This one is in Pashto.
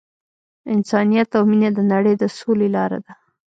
انسانیت او مینه د نړۍ د سولې لاره ده.